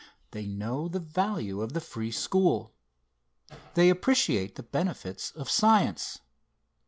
They know the value of the free school. They appreciate the benefits of science.